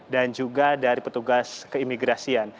dan juga dari petugas keimigrasian